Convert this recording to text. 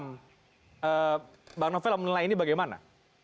bang novel menilai ini bagaimana